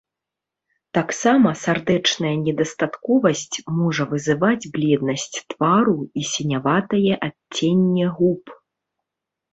Таксама сардэчная недастатковасць можа вызываць бледнасць твару і сіняватае адценне губ.